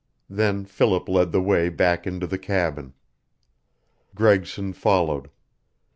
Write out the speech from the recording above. Then Philip led the way back into the cabin. Gregson followed.